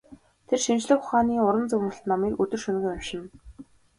Тэр шинжлэх ухааны уран зөгнөлт номыг өдөр шөнөгүй уншина.